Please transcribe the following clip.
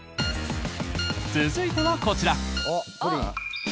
続いてはこちら。